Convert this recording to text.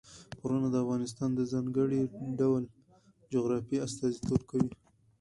غرونه د افغانستان د ځانګړي ډول جغرافیه استازیتوب کوي.